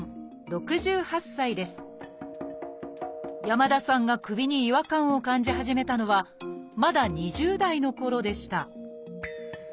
山田さんが首に違和感を感じ始めたのはまだ２０代のころでした